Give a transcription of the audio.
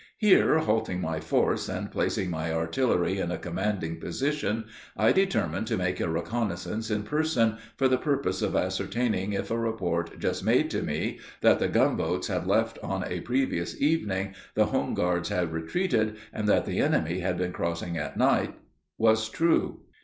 Here, halting my force, and placing my artillery in a commanding position, I determined to make a reconnaissance in person, for the purpose of ascertaining if a report just made to me that the gunboats had left on a previous evening, the home guards had retreated, and that the enemy had been crossing all night was true.